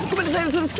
嘘です。